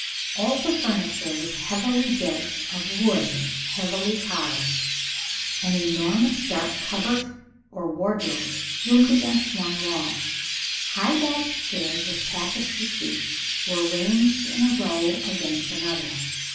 All the furniture was heavily built of wood heavily carved. An enormous dark cupboard or wardrobe loomed against one wall. High backed chairs with tapestry seats were ranged in a row against another.